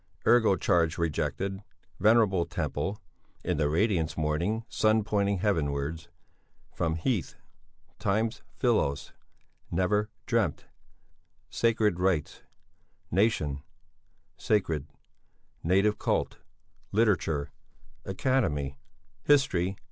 Ergo charge rejected. Venerable temple. In the radiance morning sun pointing heavenwards. From heath. times Philos. never dreamt. Sacred rights. Nation. Sacred Int. Native Cult. Literature. Academy. History.